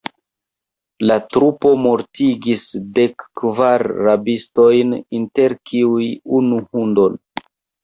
La trupo mortigis dek kvar rabistojn, inter kiuj unu hundon.